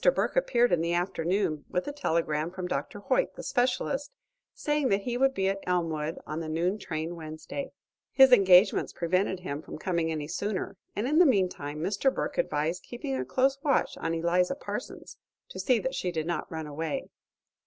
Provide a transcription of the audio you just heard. Burke appeared in the afternoon with a telegram from Dr. Hoyt, the specialist, saying that he would be at Elmwood on the noon train Wednesday. His engagements prevented him from coming any sooner, and in the meantime Mr. Burke advised keeping a close watch on Eliza Parsons, to see that she did not run away.